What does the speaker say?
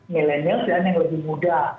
milenial dan yang lebih muda